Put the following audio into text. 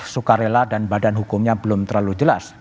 sukarela dan badan hukumnya belum terlalu jelas